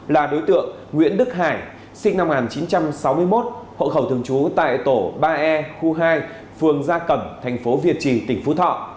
là đối tượng nguyễn đức hải sinh năm một nghìn chín trăm sáu mươi một hộ khẩu thường trú tại tổ ba e khu hai phường gia cẩm thành phố việt trì tỉnh phú thọ